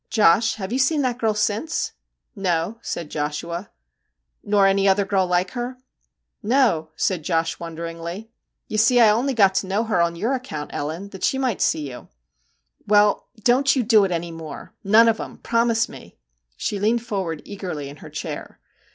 ' Josh, have you seen that girl since ?'' No,' said Joshua. ' Nor any other girl like her ?' 'No/ said Joshua wonderingly; 'you see I only got to know her on your account, Ellen, that she might see you/ ' Well, don't you do it any more ! None of 'em ! Promise me !' she leaned forward eagerly in her chair.